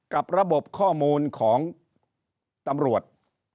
กับระบบข้อมูลของตำรวจ